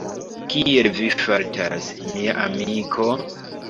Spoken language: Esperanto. Kiel vi fartas, mia amiko?